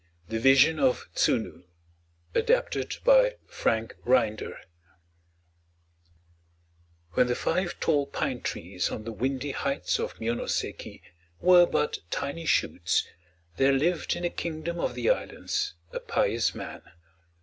THE VISION OF TSUNU ADAPTED BY FRANK RINDER When the five tall pine trees on the windy heights of Mionoseki were but tiny shoots, there lived in the Kingdom of the Islands a pious man.